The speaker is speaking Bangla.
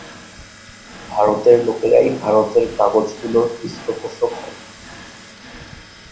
ভারতের লোকেরাই ভারতের কাগজগুলির পৃষ্ঠপোষক হবে।